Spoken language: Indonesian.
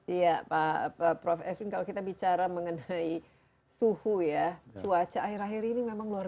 iya prof evin kalau kita bicara mengenai suhu ya cuaca akhir akhir ini memang luar